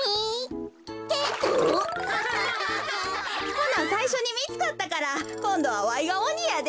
ほなさいしょにみつかったからこんどはわいがおにやで。